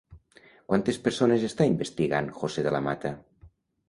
Quantes persones està investigant José de la Mata?